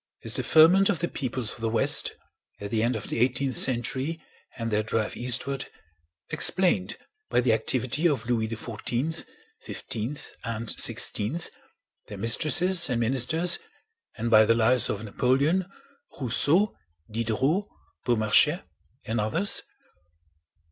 Is the ferment of the peoples of the west at the end of the eighteenth century and their drive eastward explained by the activity of Louis XIV, XV, and XVI, their mistresses and ministers, and by the lives of Napoleon, Rousseau, Diderot, Beaumarchais, and others?